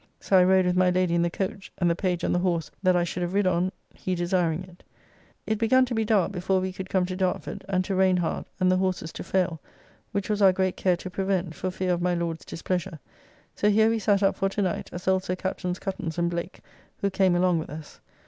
So I rode with my lady in the coach, and the page on the horse that I should have rid on he desiring it. It begun to be dark before we could come to Dartford, and to rain hard, and the horses to fayle, which was our great care to prevent, for fear of my Lord's displeasure, so here we sat up for to night, as also Captains Cuttance and Blake, who came along with us.